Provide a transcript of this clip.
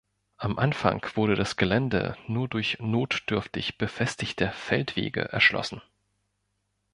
Am Anfang wurde das Gelände nur durch notdürftig befestigte Feldwege erschlossen.